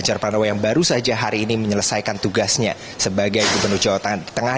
ganjar pranowo yang baru saja hari ini menyelesaikan tugasnya sebagai gubernur jawa tengah